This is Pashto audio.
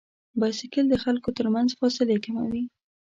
بایسکل د خلکو تر منځ فاصلې کموي.